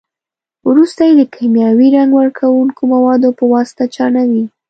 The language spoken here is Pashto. وروسته یې د کیمیاوي رنګ وړونکو موادو په واسطه چاڼوي.